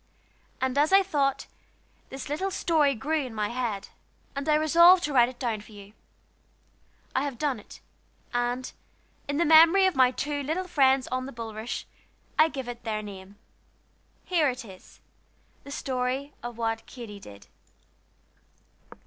And as I thought, this little story grew in my head, and I resolved to write it down for you. I have done it; and, in memory of my two little friends on the bulrush, I give it their name. Here it is the story of What Katy Did.